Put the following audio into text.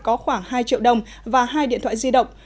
có khoảng hai triệu đồng và hai điện thoại di động